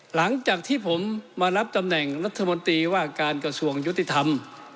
หลังจากที่ผมมารับตำแหน่งรัฐมนตรีว่าการกระทรวงยุติธรรม